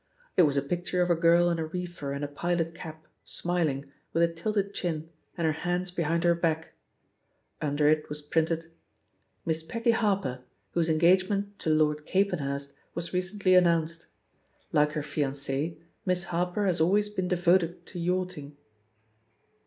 It was a picture of a girl in a reefer and a pilot cap, smiling, with a tilted chin, and her hands behind her back. Under it was printed: "Miss Peggy [Harper, whose engagement to Lord Capenhurst, was recently announced. Like her fiance. Miss Harper has always been devoted to yachting."